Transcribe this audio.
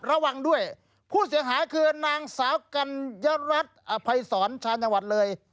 ระวังด้วยผู้เสียหายคือนางสาวกัญญารัฐอภัยสอนชาวจังหวัดเลย